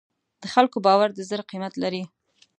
د خلکو باور د زر قیمت لري.